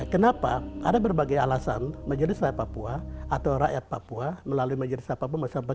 kenapa ada berbagai alasan majelis rakyat papua atau rakyat papua melalui majelis rakyat papua menyebabkan bahwa